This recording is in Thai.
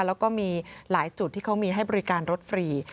แล้วก็มีหลายจุดที่เขามีให้บริการรถฟรี